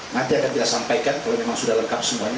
nanti akan kita sampaikan kalau memang sudah lengkap semuanya